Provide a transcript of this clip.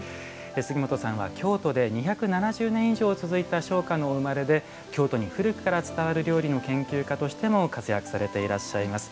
杉本さんは京都で２７０年以上続いた商家のお生まれで京都に古くから伝わる料理の研究家としても活躍されてらっしゃいます。